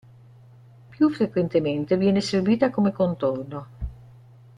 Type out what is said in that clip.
Più frequentemente viene servita come contorno.